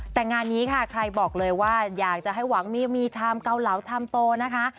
แต่งานนี้ค่ะใครบอกเลยว่าอยากจะให้หวังมีชามเกาเหลาชามโตนะคะ